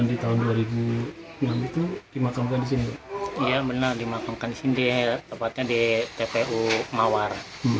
di tahun dua ribu enam itu dimakamkan di sini dia benar dimakamkan di sini tepatnya di tpu mawar